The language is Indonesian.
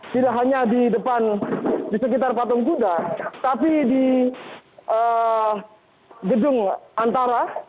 tidak hanya di depan di sekitar patung kuda tapi di gedung antara